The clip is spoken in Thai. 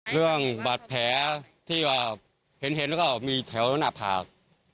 เรื่องบาดแผลที่ว่าเห็นแล้วก็มีแถวหน้าผาก